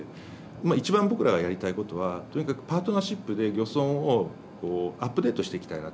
今一番僕らがやりたいことはとにかくパートナーシップで漁村をアップデートしていきたいなというふうに思っています。